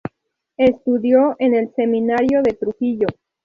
Estudió en el Seminario de Trujillo.